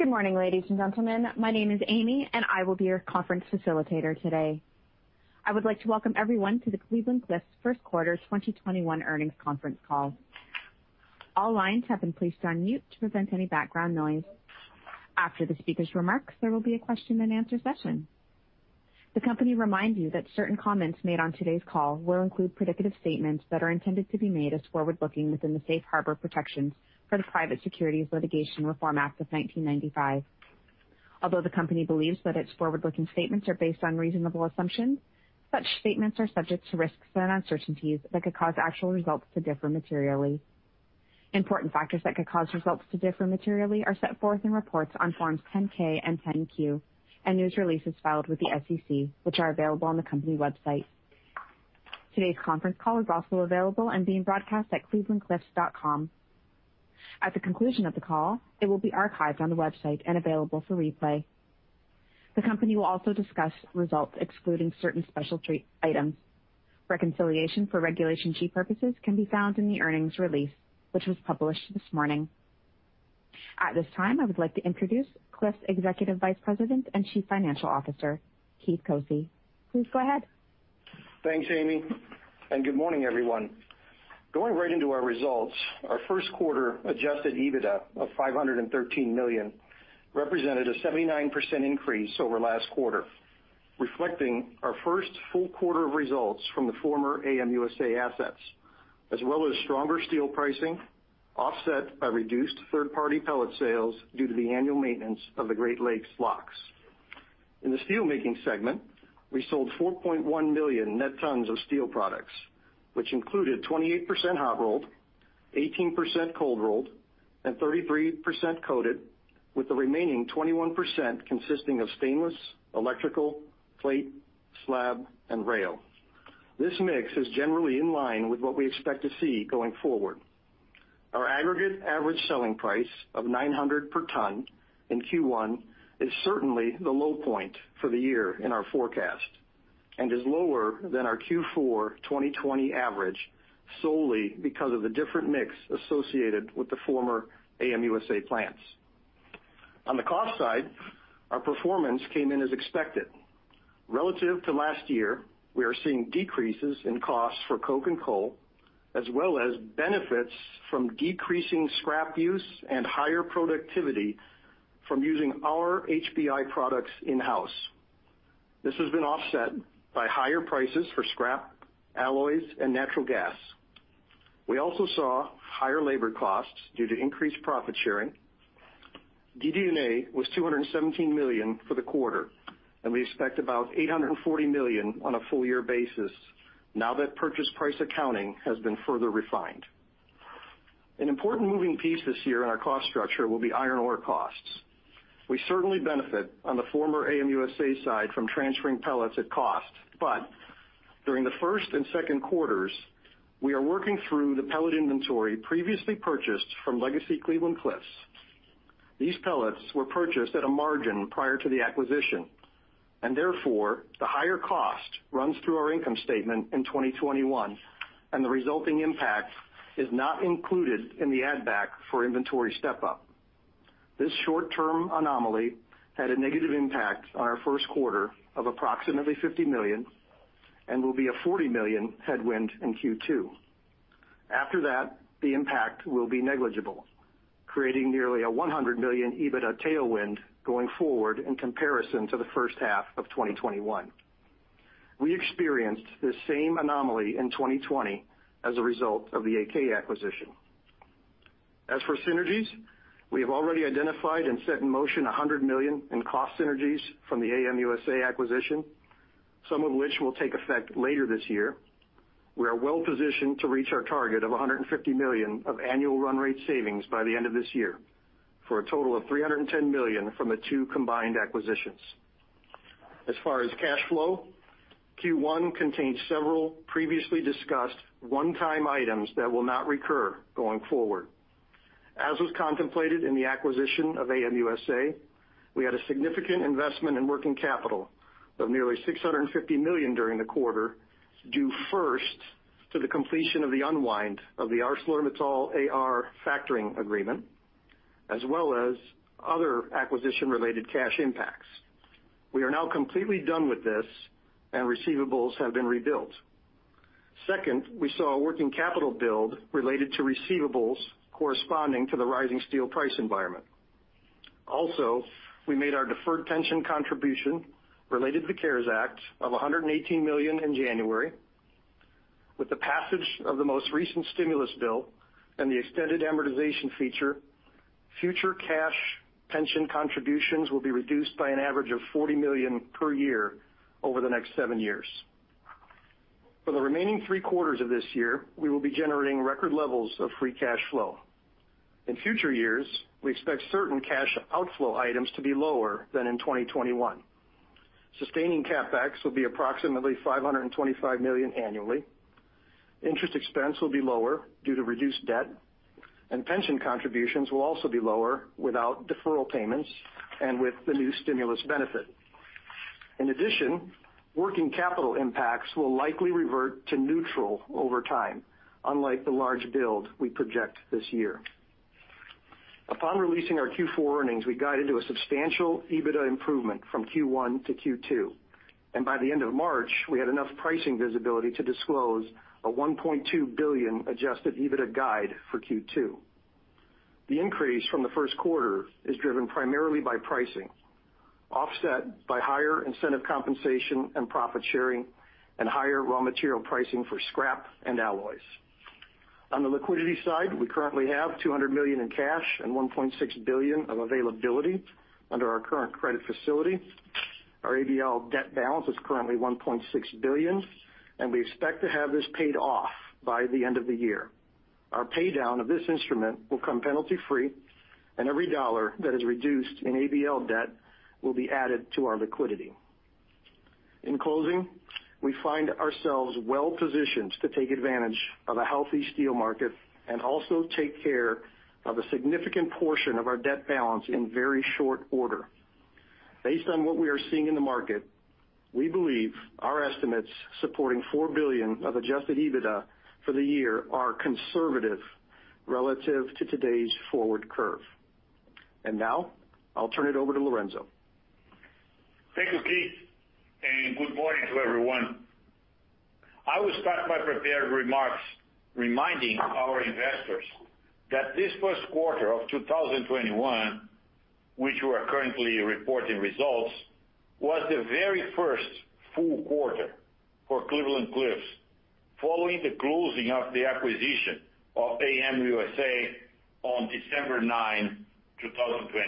Good morning, ladies and gentlemen. My name is Amy, and I will be your conference facilitator today. I would like to welcome everyone to the Cleveland-Cliffs First Quarter 2021 earnings conference call. All lines have been placed on mute to prevent any background noise. After the speakers' remarks, there will be a question and answer session. The company reminds you that certain comments made on today's call will include predictive statements that are intended to be made as forward-looking within the safe harbor protections for the Private Securities Litigation Reform Act of 1995. Although the company believes that its forward-looking statements are based on reasonable assumptions, such statements are subject to risks and uncertainties that could cause actual results to differ materially. Important factors that could cause results to differ materially are set forth in reports on Forms 10-K and 10-Q and news releases filed with the SEC, which are available on the company website. Today's conference call is also available and being broadcast at clevelandcliffs.com. At the conclusion of the call, it will be archived on the website and available for replay. The company will also discuss results excluding certain special items. Reconciliation for Regulation G purposes can be found in the earnings release, which was published this morning. At this time, I would like to introduce Cliffs Executive Vice President and Chief Financial Officer, Keith Koci. Please go ahead. Thanks, Amy, and good morning, everyone. Going right into our results, our first quarter adjusted EBITDA of $513 million represented a 79% increase over last quarter, reflecting our first full quarter of results from the former AM USA assets, as well as stronger steel pricing offset by reduced third-party pellet sales due to the annual maintenance of the Great Lakes locks. In the steelmaking segment, we sold 4.1 million net tons of steel products, which included 28% hot rolled, 18% cold rolled, and 33% coated, with the remaining 21% consisting of stainless, electrical, plate, slab, and rail. This mix is generally in line with what we expect to see going forward. Our aggregate average selling price of $900 per ton in Q1 is certainly the low point for the year in our forecast and is lower than our Q4 2020 average solely because of the different mix associated with the former AM USA plants. On the cost side, our performance came in as expected. Relative to last year, we are seeing decreases in costs for coke and coal, as well as benefits from decreasing scrap use and higher productivity from using our HBI products in-house. This has been offset by higher prices for scrap, alloys, and natural gas. We also saw higher labor costs due to increased profit sharing. DD&A was $217 million for the quarter, and we expect about $840 million on a full year basis now that purchase price accounting has been further refined. An important moving piece this year in our cost structure will be iron ore costs. We certainly benefit on the former AM USA side from transferring pellets at cost, but during the first and second quarters, we are working through the pellet inventory previously purchased from Legacy Cleveland-Cliffs. These pellets were purchased at a margin prior to the acquisition, and therefore, the higher cost runs through our income statement in 2021, and the resulting impact is not included in the add back for inventory step-up. This short-term anomaly had a negative impact on our first quarter of approximately $50 million and will be a $40 million headwind in Q2. After that, the impact will be negligible, creating nearly a $100 million EBITDA tailwind going forward in comparison to the first half of 2021. We experienced this same anomaly in 2020 as a result of the AK acquisition. As for synergies, we have already identified and set in motion $100 million in cost synergies from the AM USA acquisition, some of which will take effect later this year. We are well positioned to reach our target of $150 million of annual run rate savings by the end of this year, for a total of $310 million from the two combined acquisitions. As far as cash flow, Q1 contains several previously discussed one-time items that will not recur going forward. As was contemplated in the acquisition of AM USA, we had a significant investment in working capital of nearly $650 million during the quarter, due first to the completion of the unwind of the ArcelorMittal AR factoring agreement, as well as other acquisition-related cash impacts. We are now completely done with this, and receivables have been rebuilt. We saw a working capital build related to receivables corresponding to the rising steel price environment. We made our deferred pension contribution related to the CARES Act of $118 million in January. With the passage of the most recent stimulus bill and the extended amortization feature, future cash pension contributions will be reduced by an average of $40 million per year over the next seven years. For the remaining three quarters of this year, we will be generating record levels of free cash flow. In future years, we expect certain cash outflow items to be lower than in 2021. Sustaining CapEx will be approximately $525 million annually. Interest expense will be lower due to reduced debt, and pension contributions will also be lower without deferral payments and with the new stimulus benefit. Working capital impacts will likely revert to neutral over time, unlike the large build we project this year. Upon releasing our Q4 earnings, we guided to a substantial EBITDA improvement from Q1 to Q2, and by the end of March, we had enough pricing visibility to disclose a $1.2 billion adjusted EBITDA guide for Q2. The increase from the first quarter is driven primarily by pricing, offset by higher incentive compensation and profit sharing, and higher raw material pricing for scrap and alloys. On the liquidity side, we currently have $200 million in cash and $1.6 billion of availability under our current credit facility. Our ABL debt balance is currently $1.6 billion, and we expect to have this paid off by the end of the year. Our pay-down of this instrument will come penalty-free, and every dollar that is reduced in ABL debt will be added to our liquidity. In closing, we find ourselves well positioned to take advantage of a healthy steel market and also take care of a significant portion of our debt balance in very short order. Based on what we are seeing in the market, we believe our estimates supporting $4 billion of adjusted EBITDA for the year are conservative relative to today's forward curve. Now I'll turn it over to Lourenco. Thank you, Keith, and good morning to everyone. I will start my prepared remarks reminding our investors that this first quarter of 2021, which we are currently reporting results, was the very first full quarter for Cleveland-Cliffs following the closing of the acquisition of AM USA on December 9, 2020.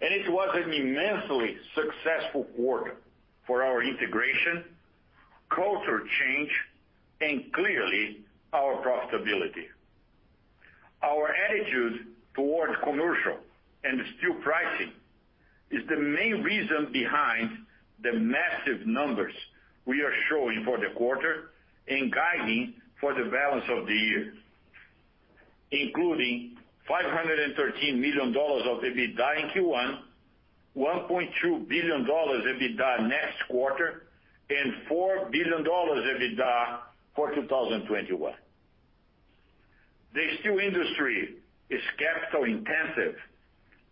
It was an immensely successful quarter for our integration, culture change, and clearly, our profitability. Our attitude towards commercial and steel pricing is the main reason behind the massive numbers we are showing for the quarter and guiding for the balance of the year, including $513 million of EBITDA in Q1, $1.2 billion EBITDA next quarter, and $4 billion EBITDA for 2021. The steel industry is capital intensive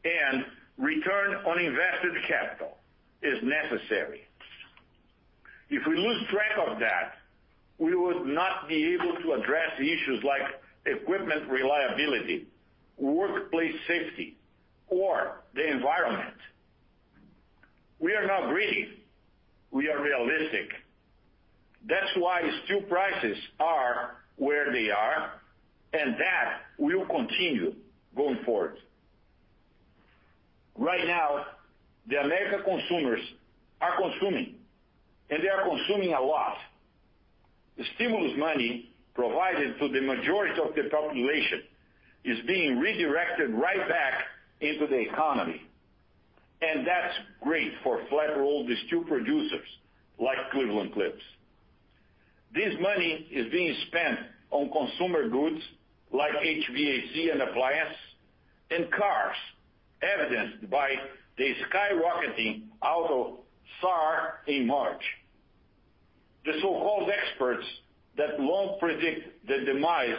and return on invested capital is necessary. If we lose track of that, we would not be able to address issues like equipment reliability, workplace safety, or the environment. We are not greedy. We are realistic. That's why steel prices are where they are, and that will continue going forward. Right now, the American consumers are consuming, and they are consuming a lot. The stimulus money provided to the majority of the population is being redirected right back into the economy, and that's great for flat roll steel producers like Cleveland-Cliffs. This money is being spent on consumer goods like HVAC and appliance and cars, evidenced by the skyrocketing auto SAAR in March. The so-called experts that long predict the demise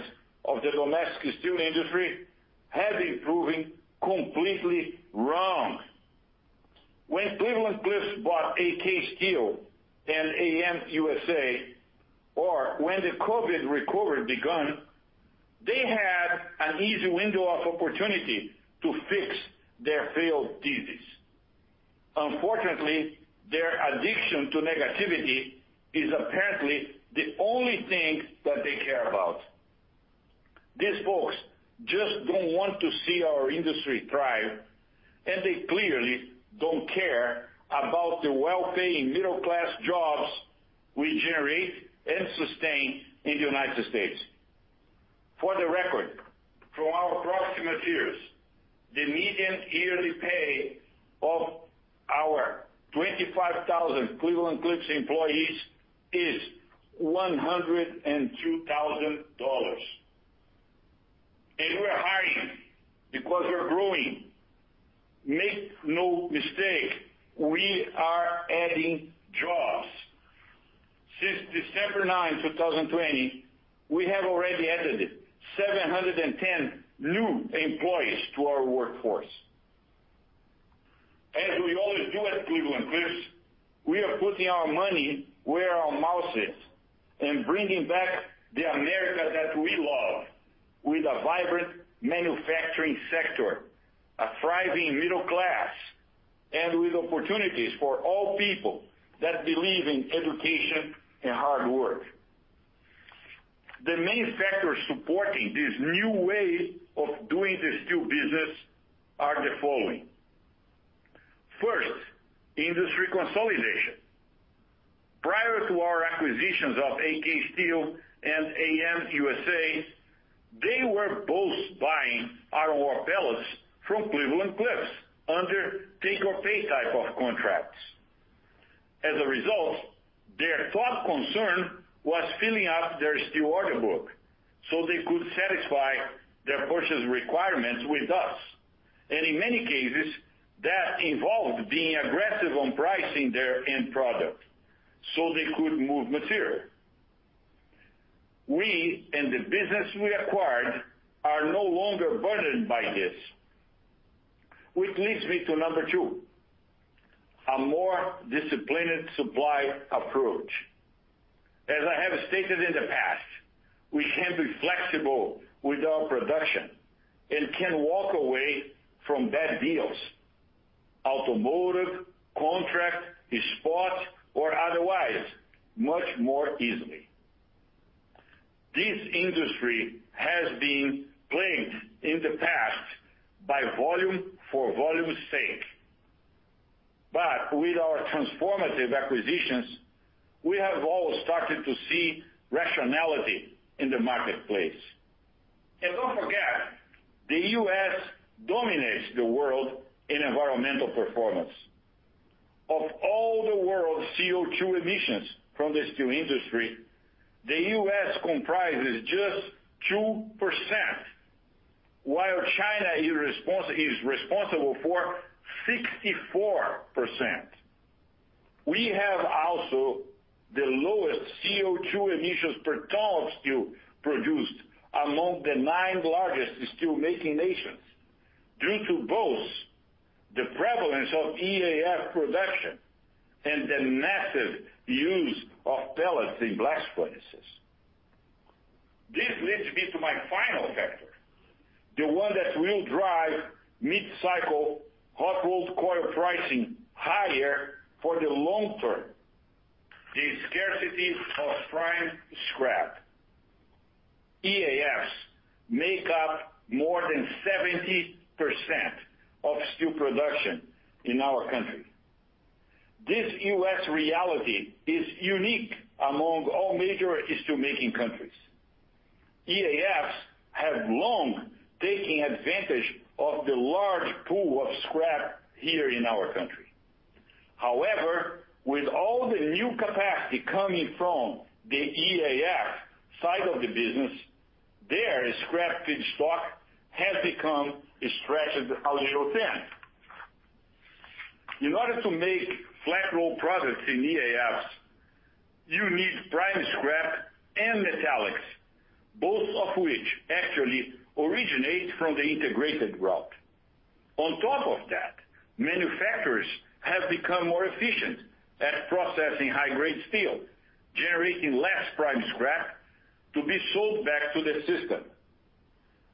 of the domestic steel industry have been proven completely wrong. When Cleveland-Cliffs bought AK Steel and ArcelorMittal USA, or when the COVID recovery begun, they had an easy window of opportunity to fix their failed thesis. Unfortunately, their addiction to negativity is apparently the only thing that they care about. These folks just don't want to see our industry thrive, and they clearly don't care about the well-paying middle-class jobs we generate and sustain in the United States. For the record, from our proxy materials, the median yearly pay of our 25,000 Cleveland-Cliffs employees is $102,000. We're hiring because we're growing. Make no mistake, we are adding jobs. Since December 9, 2020, we have already added 710 new employees to our workforce. As we always do at Cleveland-Cliffs, we are putting our money where our mouth is and bringing back the America that we love with a vibrant manufacturing sector, a thriving middle class, and with opportunities for all people that believe in education and hard work. The main factors supporting this new way of doing the steel business are the following. First, industry consolidation. Prior to our acquisitions of AK Steel and AM USA, they were both buying iron ore pellets from Cleveland-Cliffs under take-or-pay type of contracts. As a result, their top concern was filling up their steel order book, so they could satisfy their purchase requirements with us. In many cases, that involved being aggressive on pricing their end product so they could move material. We, and the business we acquired, are no longer burdened by this, which leads me to number two, a more disciplined supply approach. As I have stated in the past, we can be flexible with our production and can walk away from bad deals, automotive, contract, spot, or otherwise, much more easily. This industry has been playing in the past by volume for volume's sake. With our transformative acquisitions, we have all started to see rationality in the marketplace. Don't forget, the U.S. dominates the world in environmental performance. Of all the world's CO2 emissions from the steel industry, the U.S. comprises just 2%, while China is responsible for 64%. We have also the lowest CO2 emissions per ton of steel produced among the nine largest steel-making nations, due to both the prevalence of EAF production and the massive use of pellets in blast furnaces. This leads me to my final factor, the one that will drive mid-cycle hot-rolled coil pricing higher for the long term, the scarcity of prime scrap. EAFs make up more than 70% of steel production in our country. This U.S. reality is unique among all major steel-making countries. EAFs have long taken advantage of the large pool of scrap here in our country. However, with all the new capacity coming from the EAF side of the business, their scrap feedstock has become stretched a little thin. In order to make flat roll products in EAFs, you need prime scrap and metallics, both of which actually originate from the integrated route. On top of that, manufacturers have become more efficient at processing high-grade steel, generating less prime scrap to be sold back to the system.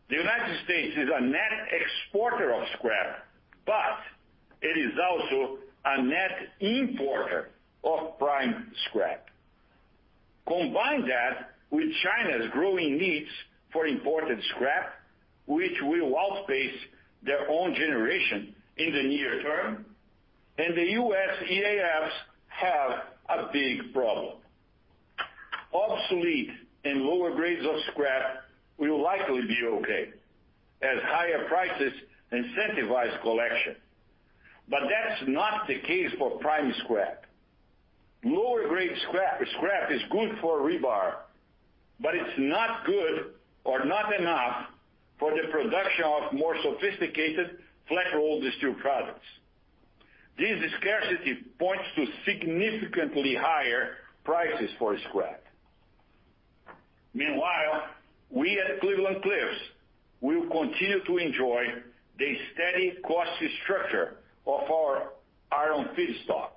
The United States is a net exporter of scrap, but it is also a net importer of prime scrap. Combine that with China's growing needs for imported scrap, which will outpace their own generation in the near term, and the U.S. EAFs have a big problem. Obsolete and lower grades of scrap will likely be okay, as higher prices incentivize collection. That's not the case for prime scrap. Lower grade scrap is good for rebar, but it's not good or not enough for the production of more sophisticated, flat rolled steel products. This scarcity points to significantly higher prices for scrap. Meanwhile, we at Cleveland-Cliffs will continue to enjoy the steady cost structure of our iron feedstock,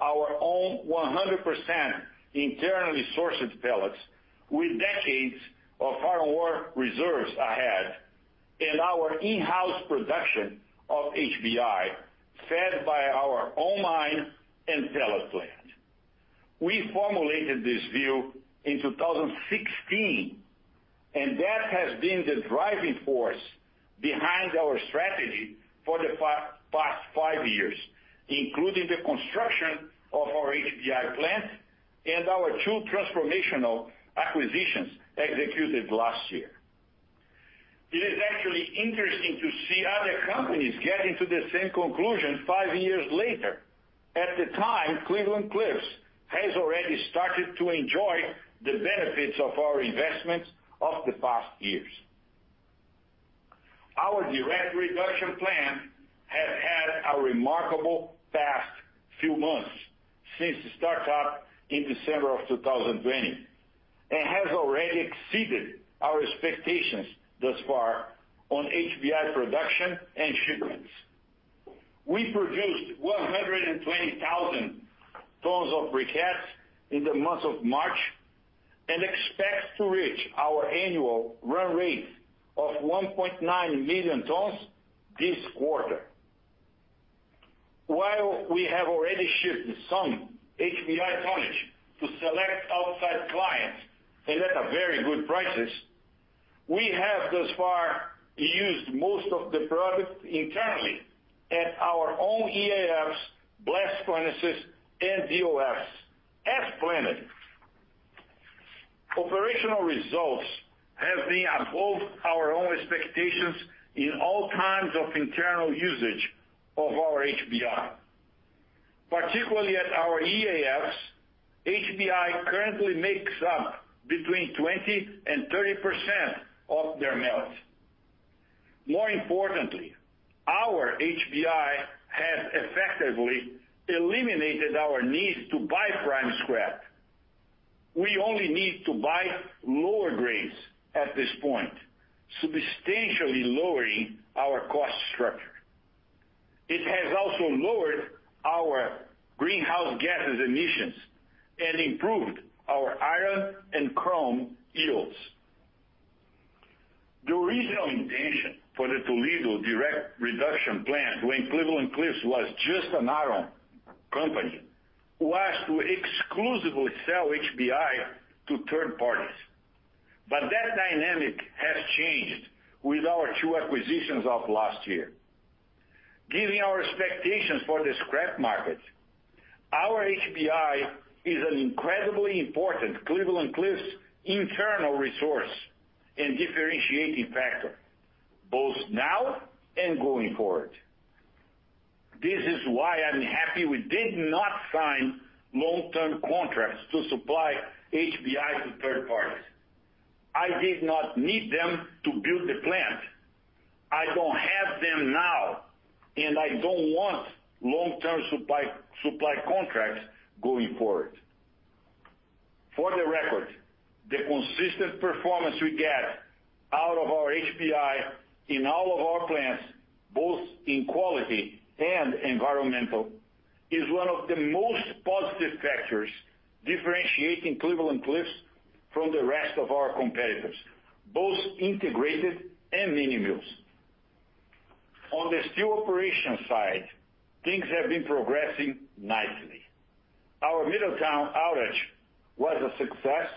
our own 100% internally sourced pellets with decades of iron ore reserves ahead, and our in-house production of HBI, fed by our own mine and pellet plant. We formulated this view in 2016, and that has been the driving force behind our strategy for the past five years, including the construction of our HBI plant and our two transformational acquisitions executed last year. It is actually interesting to see other companies getting to the same conclusion five years later. At the time, Cleveland-Cliffs has already started to enjoy the benefits of our investments of the past years. Our direct reduction plant has had a remarkable past few months since the start-up in December of 2020. It has already exceeded our expectations thus far on HBI production and shipments. We produced 120,000 tons of briquettes in the month of March and expect to reach our annual run rate of 1.9 million tons this quarter. While we have already shipped some HBI tonnage to select outside clients, and at very good prices, we have thus far used most of the product internally at our own EAFs, blast furnaces, and BOFs. Additional results have been above our own expectations in all kinds of internal usage of our HBI. Particularly at our EAFs, HBI currently makes up between 20% and 30% of their melt. More importantly, our HBI has effectively eliminated our need to buy prime scrap. We only need to buy lower grades at this point, substantially lowering our cost structure. It has also lowered our greenhouse gases emissions and improved our iron and chrome yields. The original intention for the Toledo direct reduction plant when Cleveland-Cliffs was just an iron company, was to exclusively sell HBI to third parties. That dynamic has changed with our two acquisitions of last year. Given our expectations for the scrap market, our HBI is an incredibly important Cleveland-Cliffs internal resource and differentiating factor, both now and going forward. This is why I'm happy we did not sign long-term contracts to supply HBI to third parties. I did not need them to build the plant. I don't have them now, and I don't want long-term supply contracts going forward. For the record, the consistent performance we get out of our HBI in all of our plants, both in quality and environmental, is one of the most positive factors differentiating Cleveland-Cliffs from the rest of our competitors, both integrated and mini mills. On the steel operation side, things have been progressing nicely. Our Middletown outage was a success.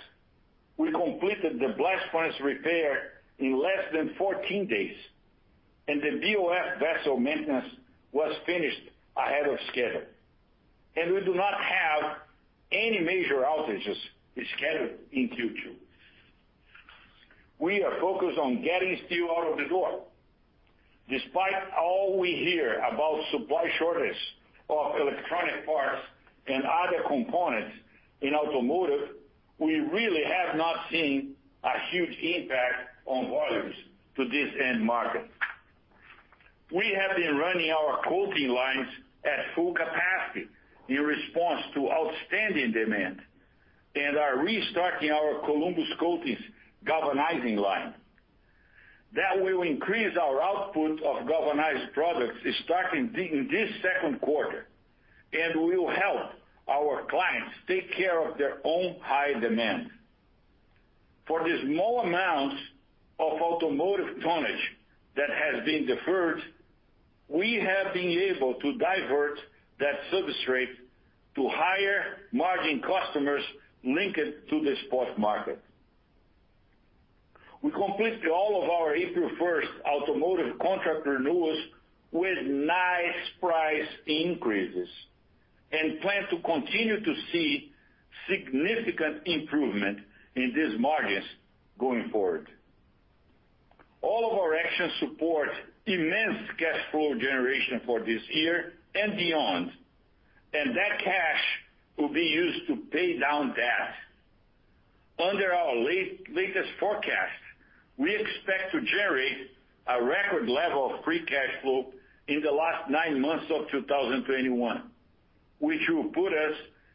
We completed the blast furnace repair in less than 14 days, and the BOF vessel maintenance was finished ahead of schedule. We do not have any major outages scheduled in Q2. We are focused on getting steel out of the door. Despite all we hear about supply shortage of electronic parts and other components in automotive, we really have not seen a huge impact on volumes to this end market. We have been running our coating lines at full capacity in response to outstanding demand and are restarting our Columbus Coatings galvanizing line. That will increase our output of galvanized products starting in this second quarter and will help our clients take care of their own high demand. For the small amounts of automotive tonnage that has been deferred, we have been able to divert that substrate to higher margin customers linked to the sports market. We completed all of our April 1st automotive contract renewals with nice price increases, and plan to continue to see significant improvement in these margins going forward. All of our actions support immense cash flow generation for this year and beyond, and that cash will be used to pay down debt. Under our latest forecast, we expect to generate a record level of free cash flow in the last nine months of 2021, which will put us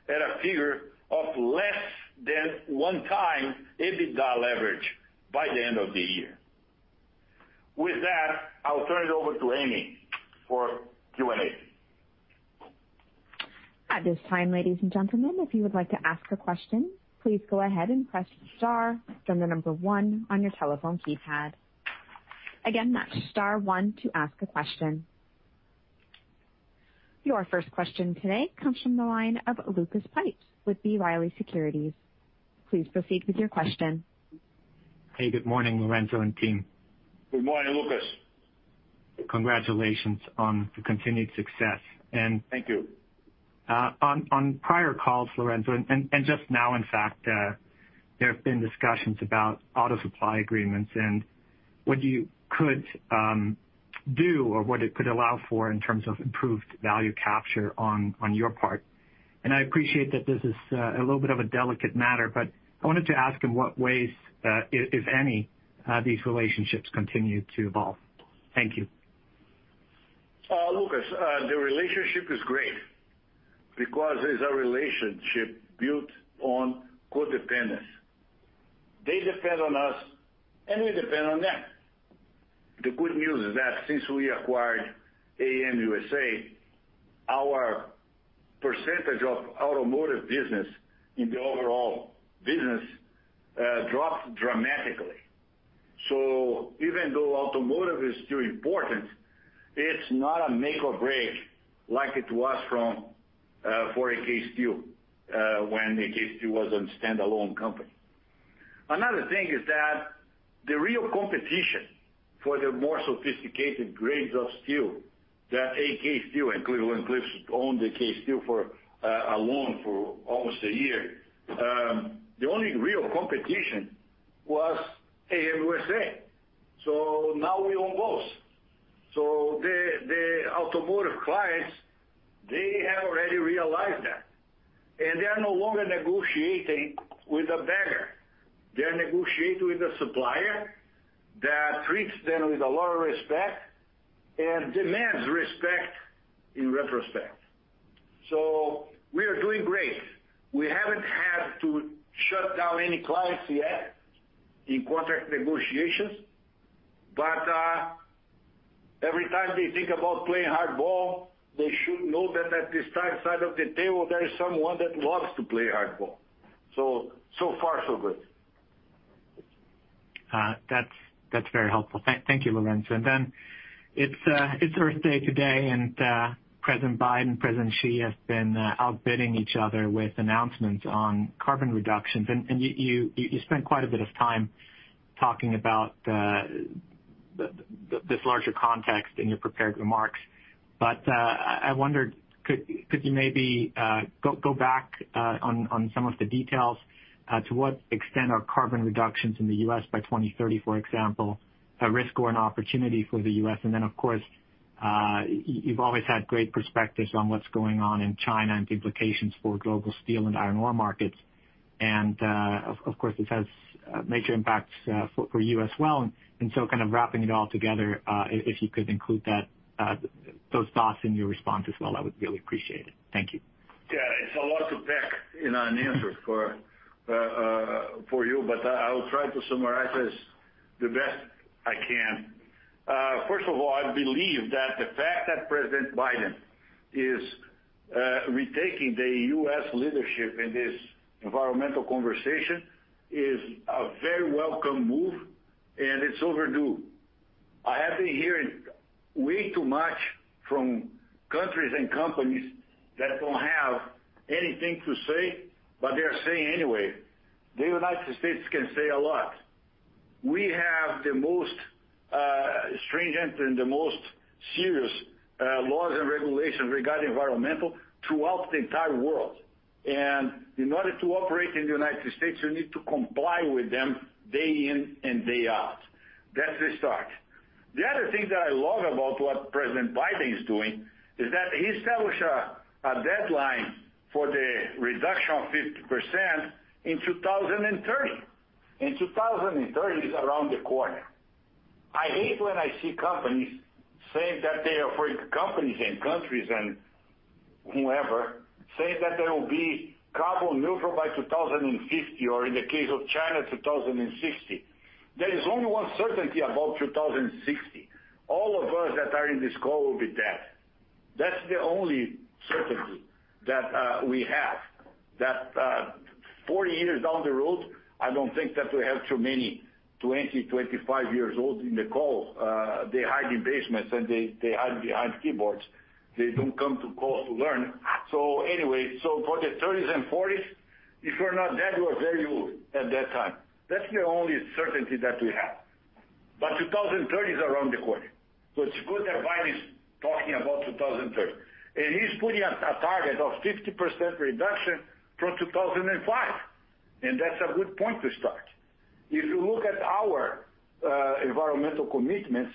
at a figure of less than one time EBITDA leverage by the end of the year. With that, I'll turn it over to Amy for Q&A. At this time ladies and gentlemen if you would like to ask a question, please go ahead and press star and number one on your telephone keypad. Again that is star one to ask a question. Your first question today comes from the line of Lucas Pipes with B. Riley Securities. Please proceed with your question. Hey, good morning, Lourenco and team. Good morning, Lucas. Congratulations on the continued success. Thank you. On prior calls, Lourenco, and just now in fact, there have been discussions about auto supply agreements and what you could do or what it could allow for in terms of improved value capture on your part. I appreciate that this is a little bit of a delicate matter, but I wanted to ask in what ways, if any, these relationships continue to evolve. Thank you. Lucas, the relationship is great because it's a relationship built on co-dependence. They depend on us, we depend on them. The good news is that since we acquired ArcelorMittal USA, our percentage of automotive business in the overall business dropped dramatically. Even though automotive is still important, it's not a make or break like it was for AK Steel, when AK Steel was a standalone company. The real competition for the more sophisticated grades of steel that AK Steel and Cleveland-Cliffs own, AK Steel alone for almost a year. The only real competition was AM USA. Now we own both. The automotive clients, they have already realized that, they are no longer negotiating with a beggar. They're negotiating with a supplier that treats them with a lot of respect and demands respect in retrospect. We are doing great. We haven't had to shut down any clients yet in contract negotiations. Every time they think about playing hardball, they should know that at this time, side of the table, there is someone that loves to play hardball. So far, so good. That's very helpful. Thank you, Lourenco. It's Earth Day today, and President Biden, President Xi has been outbidding each other with announcements on carbon reductions. You spent quite a bit of time talking about this larger context in your prepared remarks. I wondered, could you maybe go back on some of the details to what extent are carbon reductions in the U.S. by 2030, for example, a risk or an opportunity for the U.S. Of course, you've always had great perspectives on what's going on in China and the implications for global steel and iron ore markets. Of course, this has major impacts for you as well. Kind of wrapping it all together, if you could include those thoughts in your response as well, I would really appreciate it. Thank you. Yeah. It's a lot to pack in an answer for you, but I will try to summarize this the best I can. First of all, I believe that the fact that President Biden is retaking the U.S. leadership in this environmental conversation is a very welcome move, and it's overdue. I have been hearing way too much from countries and companies that don't have anything to say, but they're saying anyway. The United States can say a lot. We have the most stringent and the most serious laws and regulations regarding environmental throughout the entire world. In order to operate in the United States, you need to comply with them day in and day out. That's a start. The other thing that I love about what President Biden is doing is that he established a deadline for the reduction of 50% in 2030. 2030 is around the corner. I hate when I see companies saying that they are afraid, companies and countries and whoever saying that they will be carbon neutral by 2050 or in the case of China, 2060. There is only one certainty about 2060. All of us that are in this call will be dead. That's the only certainty that we have, that 40 years down the road, I don't think that we have too many 20, 25 years old in the call. They hide in basements, and they hide behind keyboards. They don't come to call to learn. For the 30s and 40s, if you're not dead, you are very old at that time. That's the only certainty that we have. 2030 is around the corner. It's good that Biden is talking about 2030, and he's putting a target of 50% reduction from 2005. That's a good point to start. If you look at our environmental commitments,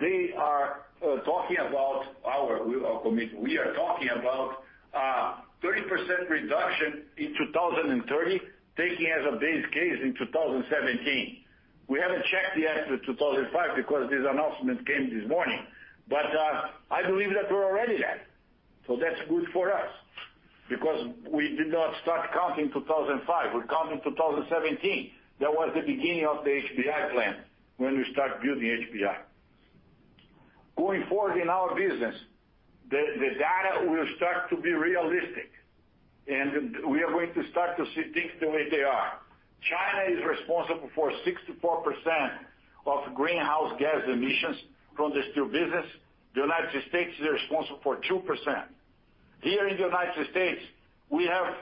they are talking about our commitment. We are talking about 30% reduction in 2030, taking as a base case in 2017. We haven't checked yet with 2005 because this announcement came this morning. I believe that we're already there. That's good for us because we did not start counting 2005. We're counting 2017. That was the beginning of the HBI plan when we start building HBI. Going forward in our business, the data will start to be realistic, and we are going to start to see things the way they are. China is responsible for 64% of greenhouse gas emissions from the steel business. The U.S. is responsible for 2%. Here in the U.S., we have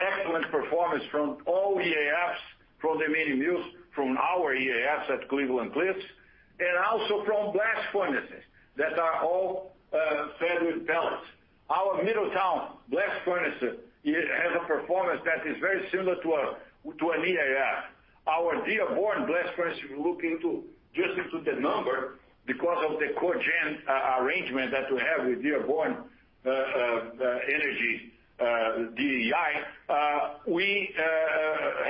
excellent performance from all EAFs, from the mini mills, from our EAFs at Cleveland-Cliffs, and also from blast furnaces that are all fed with pellets. Our Middletown blast furnace has a performance that is very similar to an EAF. Our Dearborn blast furnace, if you look just into the number because of the cogen arrangement that we have with Dearborn Energy, DEI, we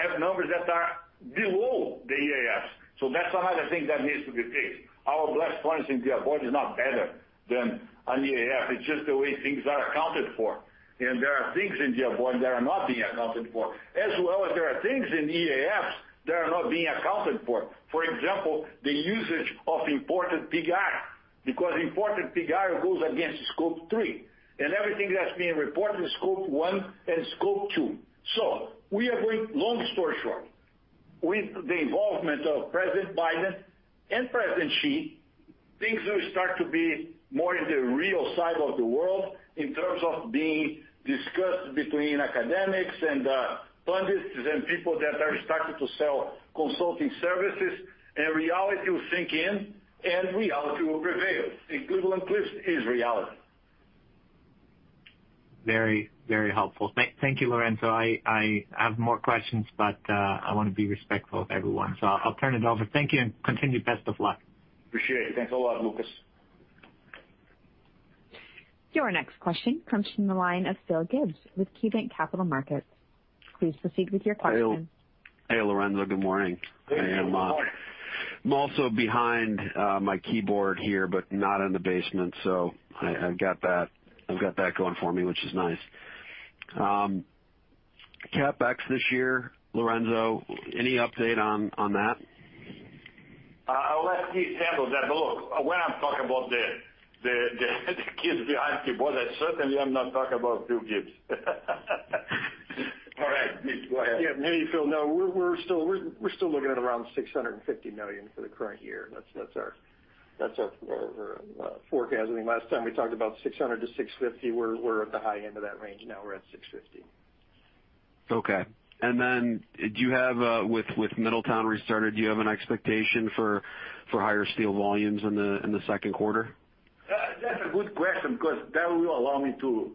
have numbers that are below the EAFs. That's another thing that needs to be fixed. Our blast furnace in Dearborn is not better than an EAF. It's just the way things are accounted for. There are things in Dearborn that are not being accounted for, as well as there are things in EAFs that are not being accounted for. For example, the usage of imported pig iron, because imported pig iron goes against Scope 3 and everything that's being reported in Scope 1 and Scope 2. We are going long story short. With the involvement of President Biden and President Xi. Things will start to be more in the real side of the world in terms of being discussed between academics and pundits and people that are starting to sell consulting services. Reality will sink in and reality will prevail. Cleveland-Cliffs is reality. Very helpful. Thank you, Lourenco. I have more questions, but I want to be respectful of everyone, so I'll turn it over. Thank you. Continued best of luck. Appreciate it. Thanks a lot, Lucas. Your next question comes from the line of Phil Gibbs with KeyBanc Capital Markets. Please proceed with your question. Hey, Lourenco. Good morning. Good morning. I'm also behind my keyboard here, but not in the basement, so I've got that going for me, which is nice. CapEx this year, Lourenco, any update on that? I'll let Keith handle that. Look, when I'm talking about the kids behind keyboard, certainly I'm not talking about Philip Gibbs. All right. Please, go ahead. Yeah. Hey, Phil. No, we're still looking at around $650 million for the current year. That's our forecasting. Last time we talked about $600-$650, we're at the high end of that range now. We're at $650. Okay. With Middletown restarted, do you have an expectation for higher steel volumes in the second quarter? That's a good question because that will allow me to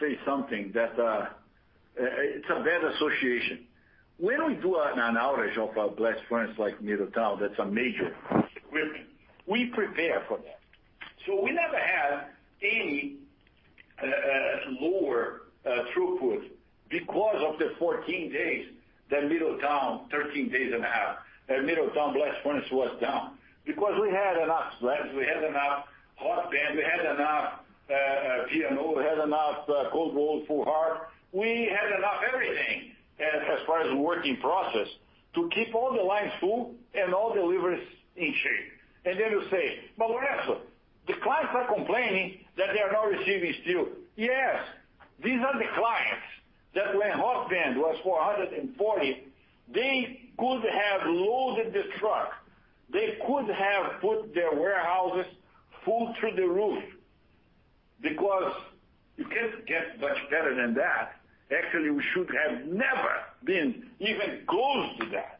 say something that it's a bad association. When we do an outage of our blast furnace like Middletown, that's a major. We prepare for that. We never had any lower throughput because of the 14 days that Middletown, 13 days and a half, that Middletown blast furnace was down, because we had enough slabs, we had enough hot band, we had enough P&O, we had enough cold roll, full hard. We had enough everything as far as working process to keep all the lines full and all deliveries in shape. Then you say, "Lourenco, the clients are complaining that they are not receiving steel." Yes. These are the clients that when hot band was $440, they could have loaded the truck. They could have put their warehouses full to the roof because you can't get much better than that. Actually, we should have never been even close to that.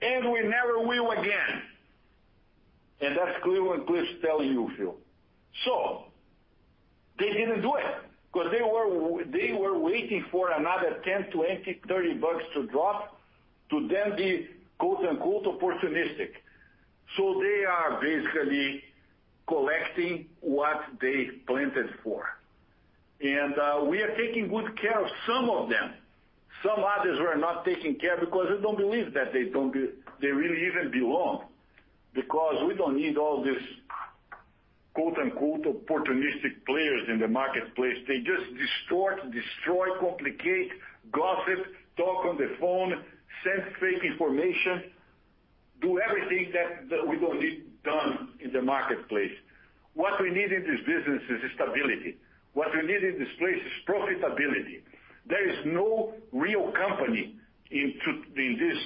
We never will again. That's Cleveland-Cliffs telling you, Phil. They didn't do it because they were waiting for another $10, $20, $30 to drop to then be "opportunistic." They are basically collecting what they planted for. We are taking good care of some of them. Some others we are not taking care because they don't believe that they really even belong, because we don't need all these "opportunistic players" in the marketplace. They just distort, destroy, complicate, gossip, talk on the phone, send fake information, do everything that we don't need done in the marketplace. What we need in this business is stability. What we need in this place is profitability. There is no real company in this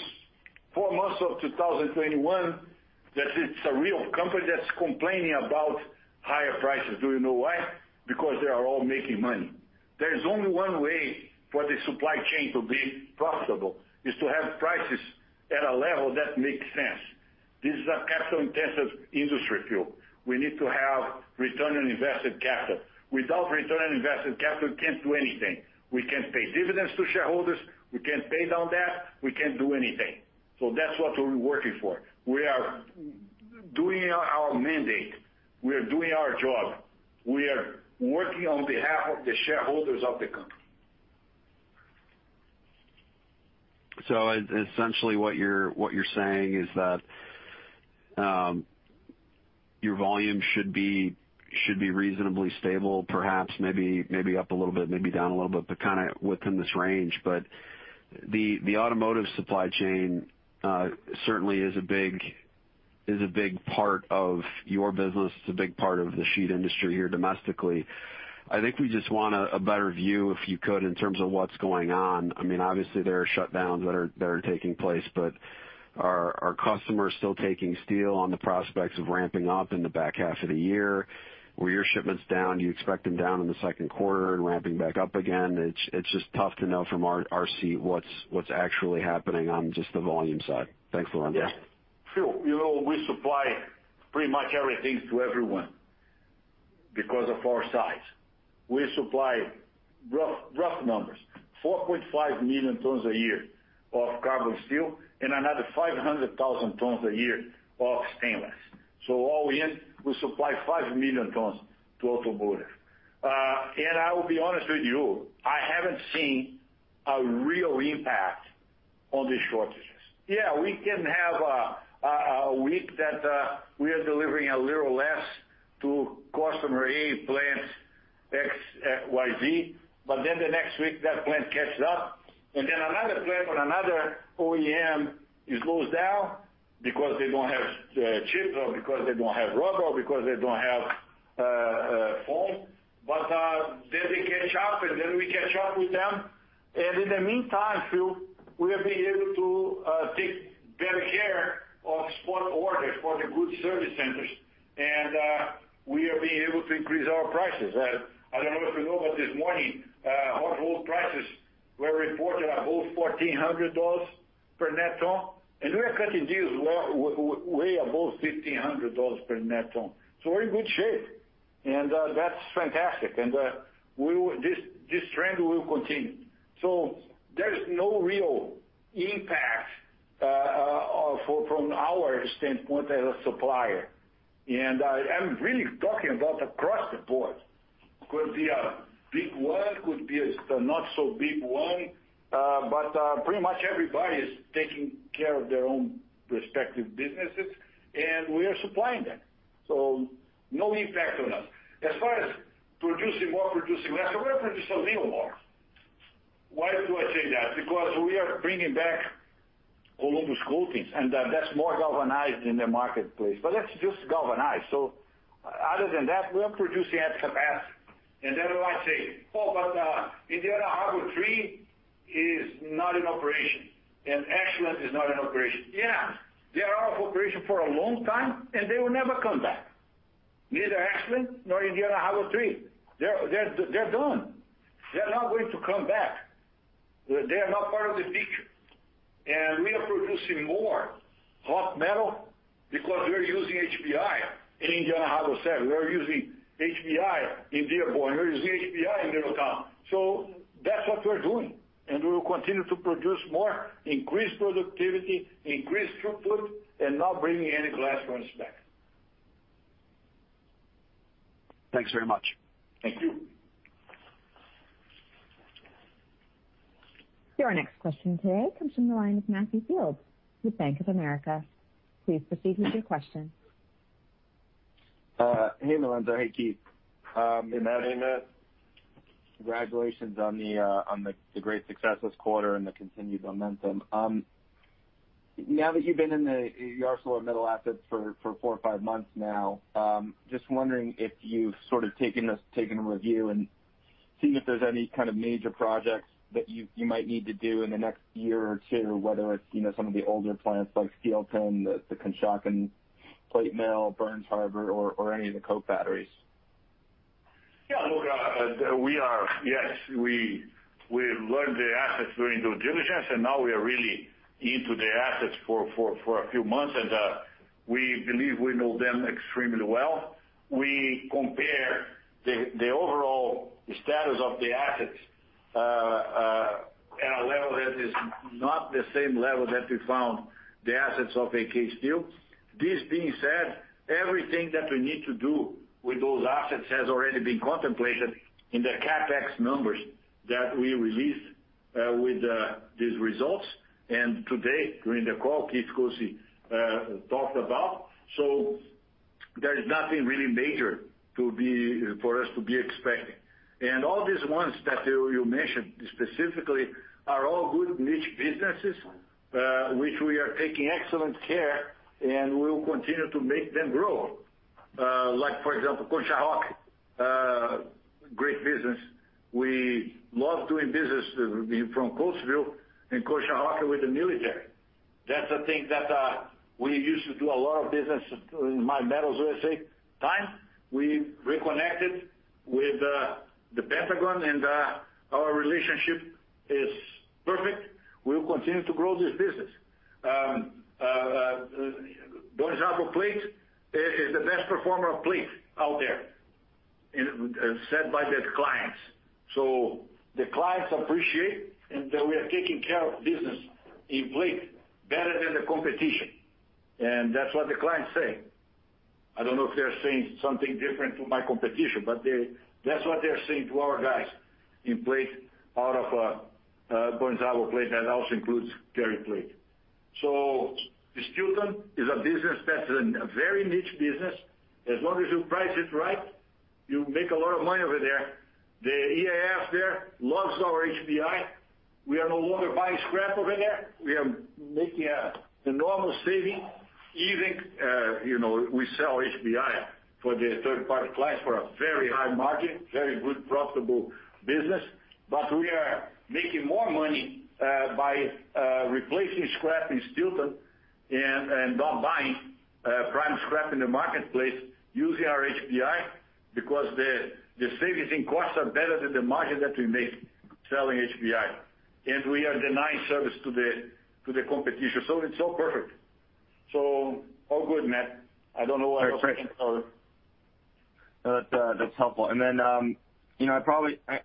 four months of 2021, that it's a real company that's complaining about higher prices. Do you know why? Because they are all making money. There is only one way for the supply chain to be profitable, is to have prices at a level that makes sense. This is a capital intensive industry, Phil. We need to have return on invested capital. Without return on invested capital, we can't do anything. We can't pay dividends to shareholders. We can't pay down debt. We can't do anything. That's what we're working for. We are doing our mandate. We are doing our job. We are working on behalf of the shareholders of the company. Essentially what you're saying is that your volume should be reasonably stable, perhaps maybe up a little bit, maybe down a little bit, but kind of within this range. The automotive supply chain certainly is a big part of your business. It's a big part of the sheet industry here domestically. I think we just want a better view, if you could, in terms of what's going on. Obviously there are shutdowns that are taking place, but are customers still taking steel on the prospects of ramping up in the back half of the year? Were your shipments down? Do you expect them down in the second quarter and ramping back up again? It's just tough to know from our seat what's actually happening on just the volume side. Thanks, Lourenco. Yeah. Philip Gibbs, we supply pretty much everything to everyone because of our size. We supply, rough numbers, 4.5 million tons a year of carbon steel and another 500,000 tons a year of stainless. All in, we supply 5 million tons to automotive. I will be honest with you, I haven't seen a real impact on the shortages. Yeah, we can have one week that we are delivering a little less to customer A plants X, Y, Z, but then the next week that plant catches up, then another plant on another OEM slows down because they don't have chips or because they don't have rubber or because they don't have catch up, then we catch up with them. In the meantime, Philip Gibbs, we have been able to take better care of spot orders for the good service centers. We are being able to increase our prices. I don't know if you know, but this morning, hot roll prices were reported above $1,400 per net ton, and we are cutting deals way above $1,500 per net ton. We're in good shape. That's fantastic. This trend will continue. There's no real impact from our standpoint as a supplier. I'm really talking about across the board. Could be a big one, could be a not so big one, but pretty much everybody is taking care of their own respective businesses, and we are supplying them. No impact on us. As far as producing more, producing less, we're going to produce a little more. Why do I say that? Because we are bringing back Columbus Coatings, and that's more galvanized in the marketplace. That's just galvanized. Other than that, we are producing at capacity. You might say, "Oh, but Indiana Harbor Three is not in operation, and Ashland is not in operation." Yeah. They are out of operation for a long time, and they will never come back. Neither Ashland nor Indiana Harbor Three. They're done. They're not going to come back. They are not part of the picture. We are producing more hot metal because we're using HBI in Indiana Harbor Seven. We are using HBI in Dearborn. We are using HBI in Middletown. That's what we're doing, and we will continue to produce more, increase productivity, increase throughput, and not bring any blast furnaces back. Thanks very much. Thank you. Your next question today comes from the line of Matthew Fields with Bank of America. Please proceed with your question. Hey, Lourenco. Hey, Keith. Hey, Matt. Congratulations on the great success this quarter and the continued momentum. Now that you've been in the ArcelorMittal assets for four or five months now, just wondering if you've sort of taken a review and seen if there's any kind of major projects that you might need to do in the next year or two, whether it's some of the older plants like Steelton, the Conshohocken plate mill, Burns Harbor, or any of the coke batteries. Look, yes, we learned the assets during due diligence, and now we are really into the assets for a few months, and we believe we know them extremely well. We compare the overall status of the assets at a level that is not the same level that we found the assets of AK Steel. This being said, everything that we need to do with those assets has already been contemplated in the CapEx numbers that we released with these results, and today, during the call, Keith Koci talked about. There's nothing really major for us to be expecting. All these ones that you mentioned specifically are all good niche businesses, which we are taking excellent care and will continue to make them grow. Like for example, Conshohocken, great business. We love doing business from Coatesville and Conshohocken with the military. That's a thing that we used to do a lot of business in my Metals USA time. We reconnected with the Pentagon, and our relationship is perfect. We will continue to grow this business. Burns Harbor Plate is the best performer of plate out there, said by their clients. The clients appreciate and that we are taking care of business in plate better than the competition. That's what the clients say. I don't know if they're saying something different to my competition, but that's what they're saying to our guys in plate out of Burns Harbor plate. That also includes Terre Haute. Steelton is a business that's a very niche business. As long as you price it right, you make a lot of money over there. The EAF there loves our HBI. We are no longer buying scrap over there. We are making an enormous savings even. We sell HBI for the third-party clients for a very high margin, very good, profitable business. We are making more money by replacing scrap in Steelton and not buying prime scrap in the marketplace using our HBI because the savings in costs are better than the margin that we make selling HBI. We are denying service to the competition. It's all perfect. All good, Matt. I don't know what else I can cover. That's helpful. I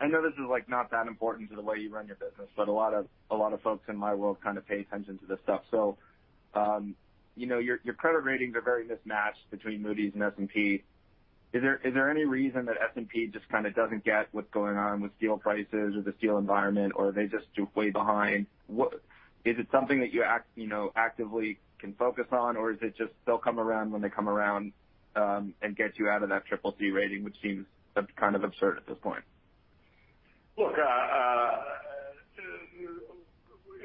know this is not that important to the way you run your business, but a lot of folks in my world kind of pay attention to this stuff. Your credit ratings are very mismatched between Moody's and S&P. Is there any reason that S&P just kind of doesn't get what's going on with steel prices or the steel environment, or are they just way behind? Is it something that you actively can focus on, or is it just they'll come around when they come around, and get you out of that CCC rating, which seems kind of absurd at this point?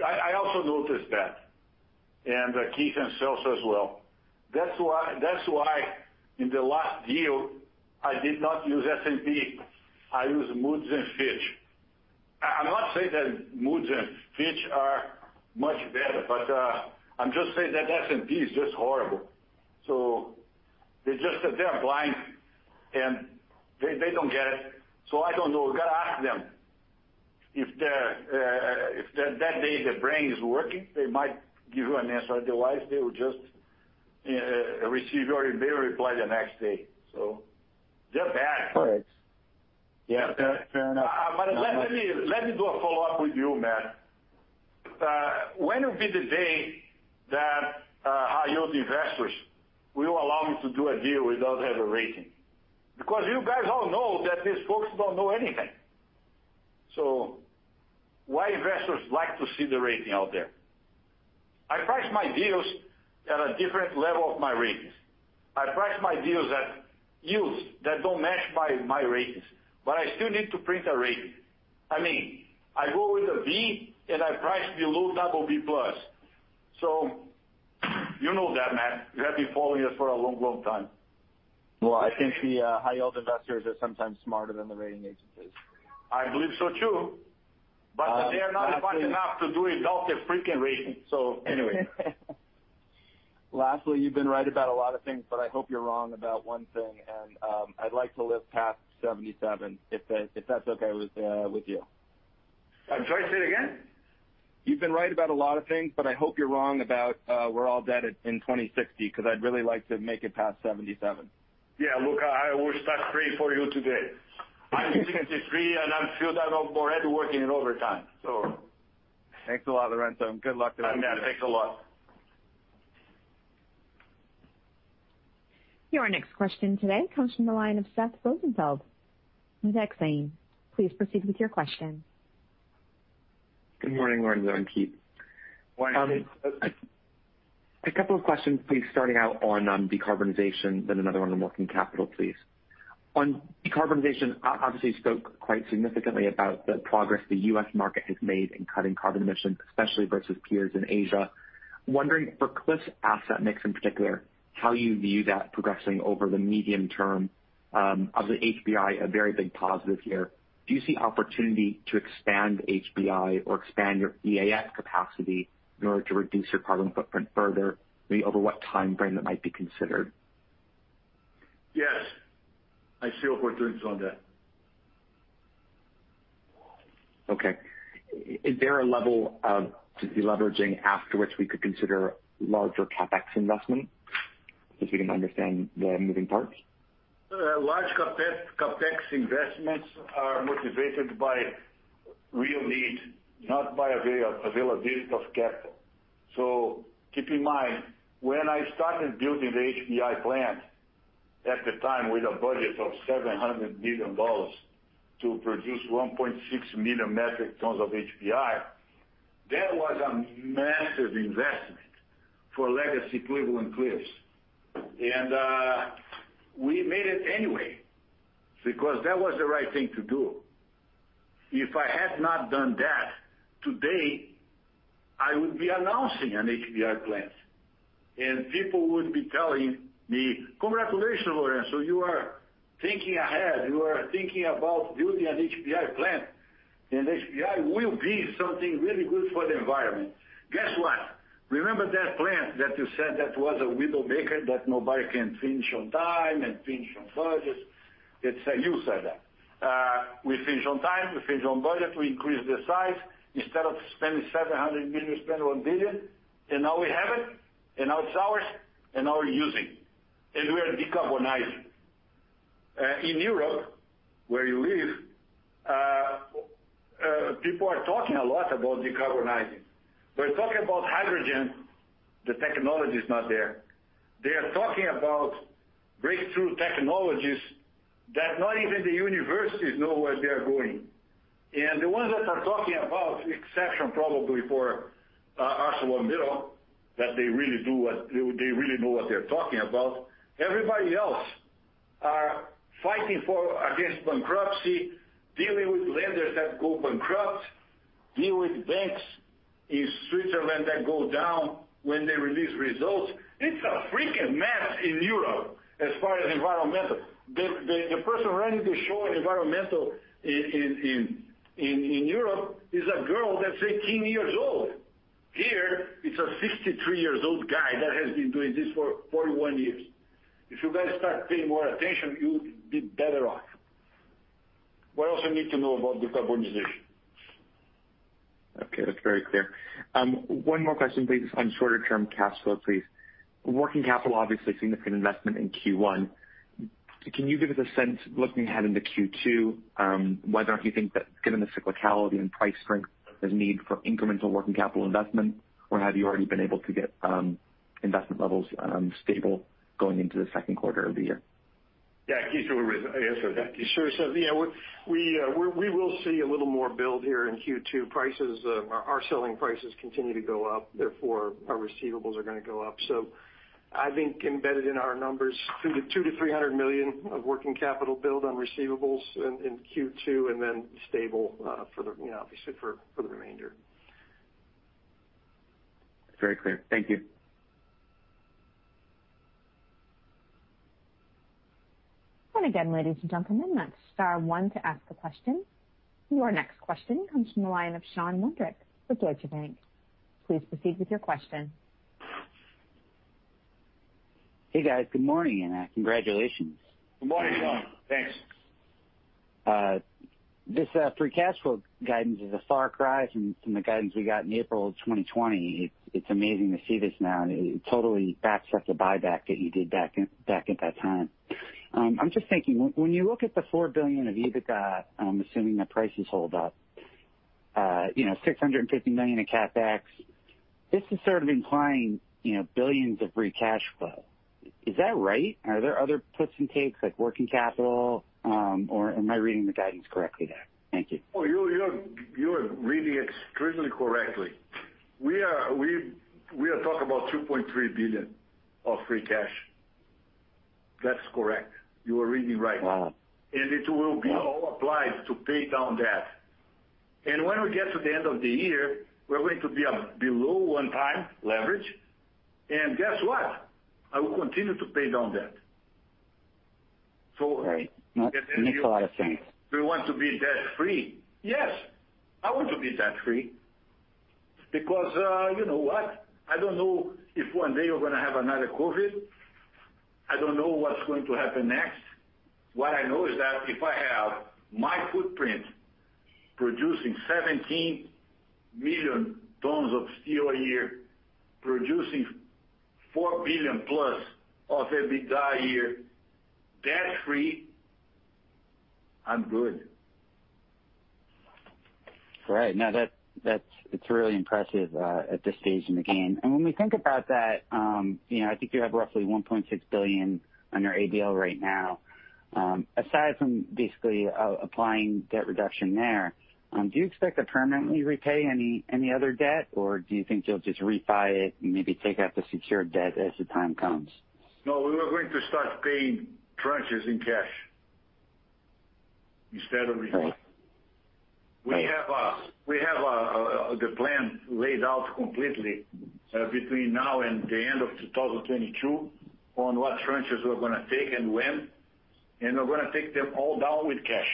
I also noticed that, and Keith and Celso as well. That's why in the last deal, I did not use S&P, I used Moody's and Fitch. I'm not saying that Moody's and Fitch are much better, but I'm just saying that S&P is just horrible. They're blind, and they don't get it. I don't know. You got to ask them. If that day their brain is working, they might give you an answer. Otherwise, they will just reply the next day. They're bad. All right. Yeah. Fair enough. Let me do a follow-up with you, Matt. When will be the day that high yield investors will allow me to do a deal without having a rating? You guys all know that these folks don't know anything. Why investors like to see the rating out there? I price my deals at a different level of my ratings. I price my deals at yields that don't match my ratings, but I still need to print a rating. I go with a B, and I price below BB plus. You know that, Matt, you have been following us for a long, long time. Well, I think the high-yield investors are sometimes smarter than the rating agencies. I believe so, too. They are not smart enough to do it without their freaking rating. Anyway. Lastly, you've been right about a lot of things, but I hope you're wrong about one thing, and I'd like to live past 77, if that's okay with you. I'm sorry, say it again. You've been right about a lot of things, but I hope you're wrong about we're all dead in 2060, because I'd really like to make it past 77. Look, I will start praying for you today. I'm 63, and I'm filled out overhead working in overtime. Thanks a lot, Lourenco, and good luck today. Yeah, Matt, thanks a lot. Your next question today comes from the line of Seth Rosenfeld with Exane. Please proceed with your question. Good morning, Lourenco and Keith. Morning. A couple of questions, please, starting out on decarbonization, then another one on working capital, please. On decarbonization, obviously, you spoke quite significantly about the progress the U.S. market has made in cutting carbon emissions, especially versus peers in Asia. Wondering for Cliffs' asset mix in particular, how you view that progressing over the medium term. Obviously, HBI, a very big positive here. Do you see opportunity to expand HBI or expand your EAF capacity in order to reduce your carbon footprint further? Maybe over what time frame that might be considered? Yes. I see what we're doing so on that. Okay. Is there a level of de-leveraging after which we could consider larger CapEx investment, so we can understand the moving parts? Large CapEx investments are motivated by real need, not by availability of capital. Keep in mind, when I started building the HBI plant, at the time, with a budget of $700 million to produce 1.6 million metric tons of HBI, that was a massive investment for legacy Cleveland-Cliffs. We made it anyway because that was the right thing to do. If I had not done that, today, I would be announcing an HBI plant, and people would be telling me, "Congratulations, Lourenco, you are thinking ahead. You are thinking about building an HBI plant, and HBI will be something really good for the environment." Guess what? Remember that plant that you said that was a widow-maker that nobody can finish on time and finish on budget? You said that. We finished on time, we finished on budget, we increased the size. Instead of spending $700 million, we spent $1 billion, and now we have it, and now it's ours, and now we're using it. We are decarbonizing. In Europe, where you live, people are talking a lot about decarbonizing. They're talking about hydrogen. The technology is not there. They are talking about breakthrough technologies that not even the universities know where they are going. The ones that are talking about, exception probably for ArcelorMittal, that they really know what they're talking about, everybody else are fighting against bankruptcy, dealing with lenders that go bankrupt, deal with banks in Switzerland that go down when they release results. It's a freaking mess in Europe as far as environmental. The person running the show on environmental in Europe is a girl that's 18 years old. Here, it's a 63 years old guy that has been doing this for 41 years. If you guys start paying more attention, you would be better off. What else you need to know about decarbonization? Okay. That's very clear. One more question, please, on shorter-term cash flow, please. Working capital, obviously, a significant investment in Q1. Can you give us a sense, looking ahead into Q2, whether or not you think that given the cyclicality and price strength, there's a need for incremental working capital investment, or have you already been able to get investment levels stable going into the second quarter of the year? Yeah. Keith will answer that. Sure. Yeah, we will see a little more build here in Q2. Our selling prices continue to go up, therefore our receivables are going to go up. I think embedded in our numbers, $200 million-$300 million of working capital build on receivables in Q2, and then stable obviously for the remainder. Very clear. Thank you. Again, ladies and gentlemen, that's star one to ask a question. Your next question comes from the line of Sean Wondrack with Deutsche Bank. Please proceed with your question. Hey, guys. Good morning, and congratulations. Good morning, Sean. Thanks. This free cash flow guidance is a far cry from the guidance we got in April of 2020. It's amazing to see this now, and it totally backs up the buyback that you did back at that time. I'm just thinking, when you look at the $4 billion of EBITDA, assuming the prices hold up, $650 million in CapEx, this is sort of implying billions of free cash flow. Is that right? Are there other puts and takes, like working capital, or am I reading the guidance correctly there? Thank you. Oh, you are reading extremely correctly. We are talking about $2.3 billion of free cash. That's correct. You are reading right. Wow. It will be all applied to pay down debt. When we get to the end of the year, we're going to be below one time leverage. Guess what? I will continue to pay down debt. Right. No, it makes a lot of sense Do we want to be debt-free? Yes, I want to be debt-free because you know what? I don't know if one day we're gonna have another COVID. I don't know what's going to happen next. What I know is that if I have my footprint producing 17 million tons of steel a year, producing $4 billion plus of EBITDA a year, debt-free, I'm good. Right. No, it's really impressive at this stage in the game. When we think about that, I think you have roughly $1.6 billion on your ABL right now. Aside from basically applying debt reduction there, do you expect to permanently repay any other debt, or do you think you'll just refi it and maybe take out the secured debt as the time comes? No, we are going to start paying tranches in cash instead of refi. Right. We have the plan laid out completely between now and the end of 2022 on what tranches we're gonna take and when, and we're gonna take them all down with cash.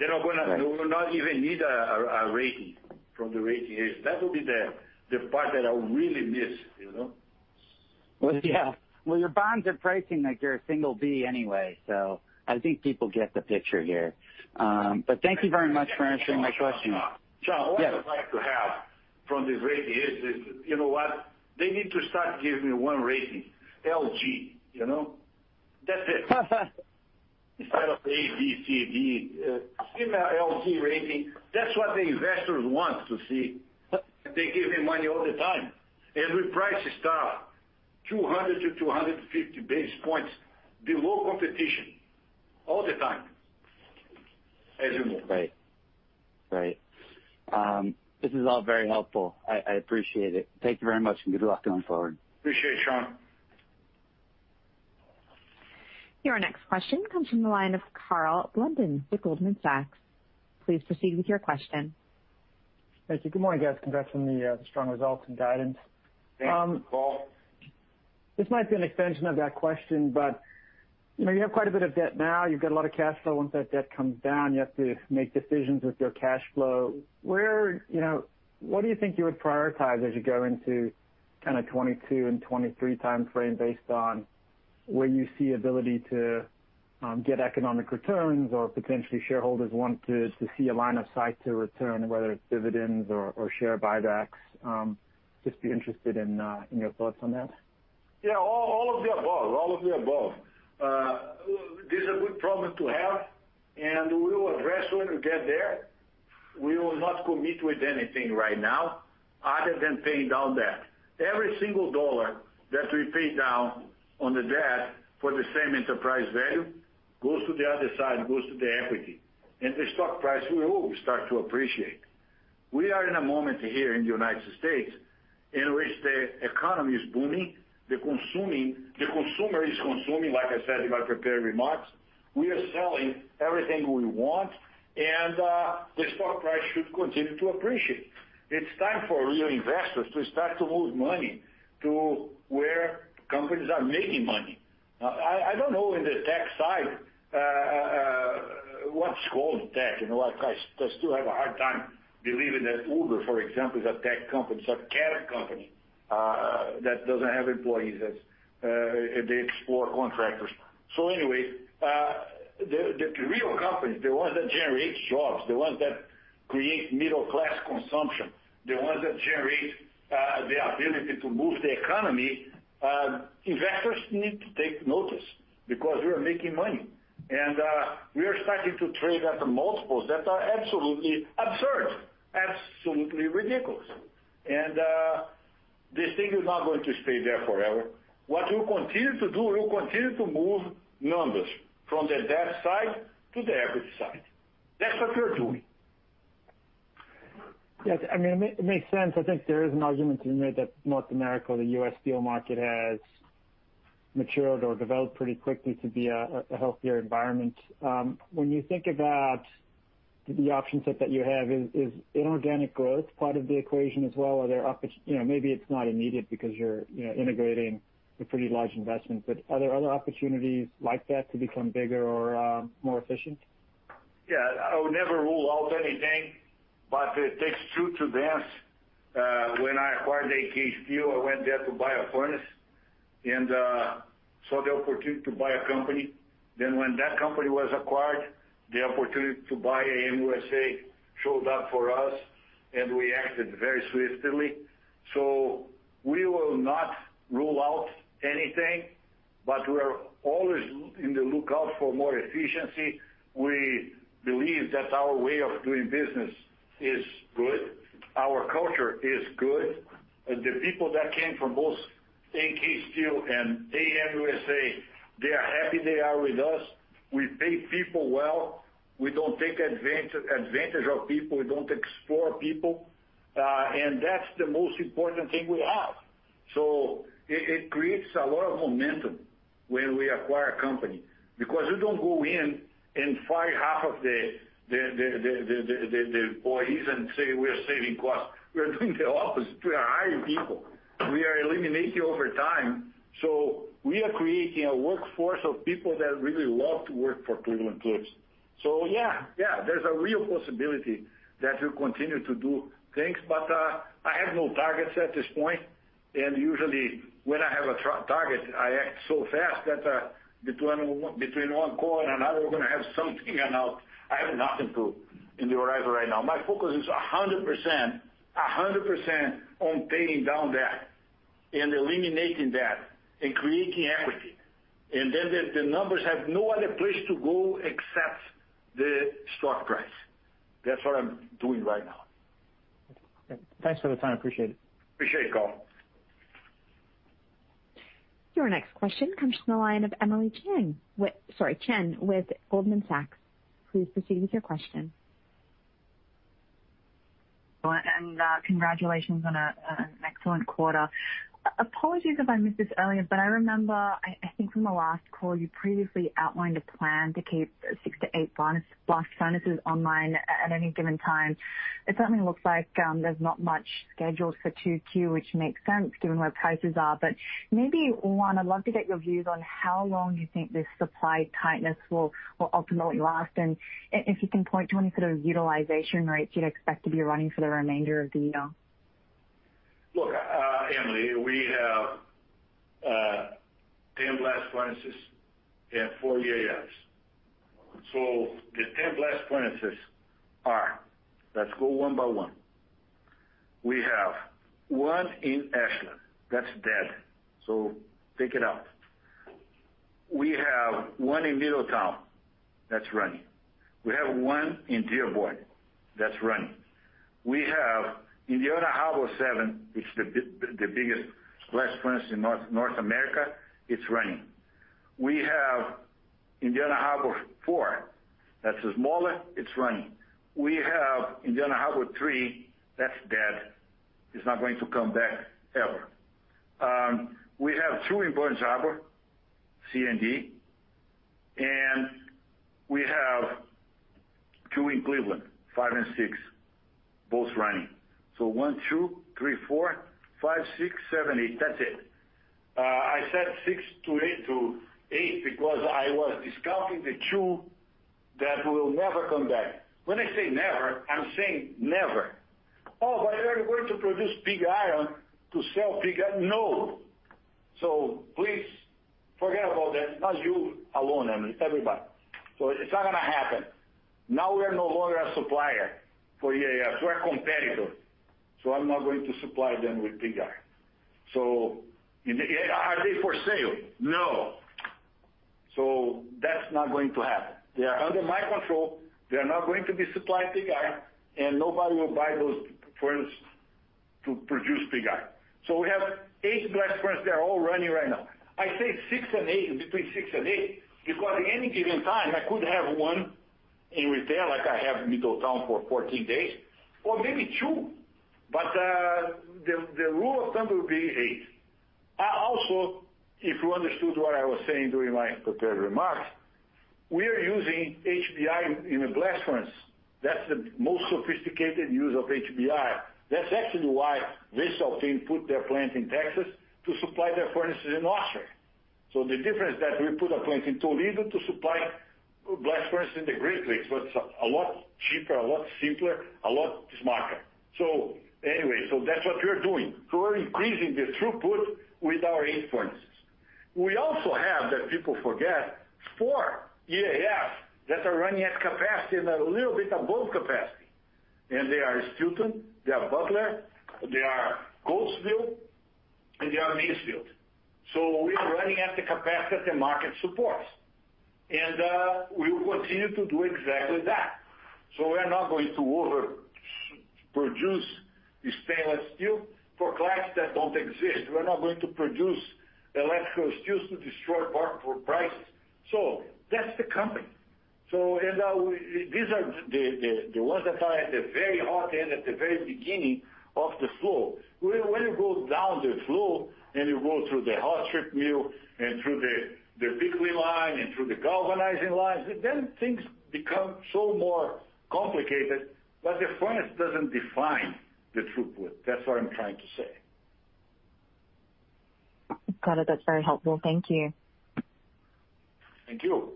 Right. We will not even need a rating from the rating agency. That will be the part that I really miss. Well, yeah. Well, your bonds are pricing like you're a single B anyway, so I think people get the picture here. Thank you very much for answering my question. Sean, what I would like to have from these rating agencies, you know what? They need to start giving me one rating, IG. That's it. Instead of A, B, C, D, give me a IG rating. That's what the investors want to see. They give me money all the time, and we price stock 200-250 basis points below competition all the time, as you know. Right. This is all very helpful. I appreciate it. Thank you very much. Good luck going forward. Appreciate it, Sean. Your next question comes from the line of Karl Blunden with Goldman Sachs. Please proceed with your question. Thank you. Good morning, guys. Congrats on the strong results and guidance. Thanks, Karl. This might be an extension of that question. You have quite a bit of debt now. You've got a lot of cash flow. Once that debt comes down, you have to make decisions with your cash flow. What do you think you would prioritize as you go into kind of 2022 and 2023 timeframe based on where you see ability to get economic returns or potentially shareholders want to see a line of sight to return, whether it's dividends or share buybacks? Just be interested in your thoughts on that. Yeah, all of the above. This is a good problem to have, and we will address when we get there. We will not commit with anything right now other than paying down debt. Every single dollar that we pay down on the debt for the same enterprise value goes to the other side, goes to the equity. The stock price will start to appreciate. We are in a moment here in the U.S. in which the economy is booming. The consumer is consuming, like I said in my prepared remarks. We are selling everything we want, the stock price should continue to appreciate. It's time for real investors to start to move money to where companies are making money. I don't know in the tech side what's called tech. I still have a hard time believing that Uber, for example, is a tech company. It's a cab company that doesn't have employees, they explore contractors. Anyway, the real companies, the ones that generate jobs, the ones that create middle-class consumption, the ones that generate the ability to move the economy investors need to take notice because we're making money, and we are starting to trade at multiples that are absolutely absurd, absolutely ridiculous. This thing is not going to stay there forever. What we'll continue to do, we'll continue to move numbers from the debt side to the equity side. That's what we're doing. Yes, it makes sense. I think there is an argument to be made that North America or the U.S. steel market has matured or developed pretty quickly to be a healthier environment. When you think about the option set that you have, is inorganic growth part of the equation as well? Maybe it's not immediate because you're integrating a pretty large investment, but are there other opportunities like that to become bigger or more efficient? Yeah, I would never rule out anything, but it takes truth to dance. When I acquired AK Steel, I went there to buy a furnace, and saw the opportunity to buy a company. When that company was acquired, the opportunity to buy AM USA showed up for us, and we acted very swiftly. We will not rule out anything, but we are always in the lookout for more efficiency. We believe that our way of doing business is good, our culture is good, and the people that came from both AK Steel and AM USA, they are happy they are with us. We pay people well. We don't take advantage of people, we don't exploit people. That's the most important thing we have. It creates a lot of momentum when we acquire a company, because we don't go in and fire half of the employees and say we're saving costs. We're doing the opposite. We are hiring people. We are eliminating overtime. We are creating a workforce of people that really love to work for Cleveland-Cliffs. Yeah. There's a real possibility that we'll continue to do things, but I have no targets at this point. Usually when I have a target, I act so fast that between one call and another, we're going to have something announced. I have nothing in the horizon right now. My focus is 100% on paying down debt and eliminating debt and creating equity. The numbers have no other place to go except the stock price. That's what I'm doing right now. Okay. Thanks for the time. I appreciate it. Appreciate it, Karl. Your next question comes from the line of Emily Chieng with Goldman Sachs. Please proceed with your question. Congratulations on an excellent quarter. Apologies if I missed this earlier, but I remember, I think from the last call, you previously outlined a plan to keep six to eight blast furnaces online at any given time. It certainly looks like there's not much scheduled for 2Q, which makes sense given where prices are. Maybe, one, I'd love to get your views on how long you think this supply tightness will ultimately last, and if you can point to any sort of utilization rates you'd expect to be running for the remainder of the year? Look, Emily, we have 10 blast furnaces and four EAFs. The 10 blast furnaces are, let's go one by one. We have one in Ashland that's dead. Take it out. We have one in Middletown that's running. We have one in Dearborn that's running. We have Indiana Harbor seven, it's the biggest blast furnace in North America, it's running. We have Indiana Harbor four, that's smaller, it's running. We have Indiana Harbor three, that's dead. It's not going to come back ever. We have two in Burns Harbor, C and D, and we have two in Cleveland five and six, both running. One, two, three, four, five, six, seven, eight. That's it. I said six to eight because I was discounting the two that will never come back. When I say never, I'm saying never. Oh, but are you going to produce pig iron to sell pig iron?" No. Please forget about that. Not you alone, Emily, everybody. It's not gonna happen. Now we are no longer a supplier for EAF. We're a competitor. I'm not going to supply them with pig iron. Are they for sale? No. That's not going to happen. They are under my control. They are not going to be supplying pig iron, and nobody will buy those furnaces to produce pig iron. We have eight blast furnaces that are all running right now. I say between six and eight, because at any given time, I could have one in repair, like I have Middletown for 14 days, or maybe two, but the rule of thumb will be eight. If you understood what I was saying during my prepared remarks, we are using HBI in the blast furnace. That's the most sophisticated use of HBI. That's actually why voestalpine put their plant in Texas to supply their furnaces in Austria. The difference that we put a plant in Toledo to supply blast furnace in the Great Lakes was a lot cheaper, a lot simpler, a lot smarter. That's what we're doing. We're increasing the throughput with our eight furnaces. We also have, that people forget, four EAFs that are running at capacity and a little bit above capacity, and they are Steelton, they are Butler, they are Coatesville, and they are Mansfield. We are running at the capacity the market supports. We will continue to do exactly that. We're not going to overproduce the stainless steel for clients that don't exist. We're not going to produce electrical steels to destroy margin for price. That's the company. These are the ones that are at the very hot end, at the very beginning of the flow. When you go down the flow, and you go through the hot strip mill and through the pickling line and through the galvanizing lines, then things become so more complicated. The furnace doesn't define the throughput. That's what I'm trying to say. Got it. That's very helpful. Thank you. Thank you.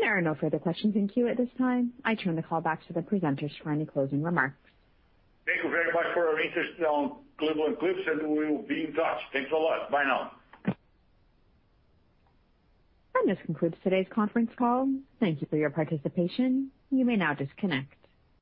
There are no further questions in queue at this time. I turn the call back to the presenters for any closing remarks. Thank you very much for your interest on Cleveland-Cliffs, and we will be in touch. Thanks a lot. Bye now. This concludes today's conference call. Thank you for your participation. You may now disconnect.